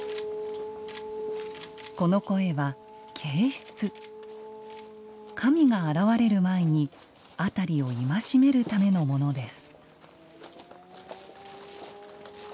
この声は、警蹕神が現れる前に辺りを戒めるためのものです。